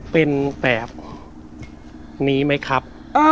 เป็นแบบนี้ไหมครับ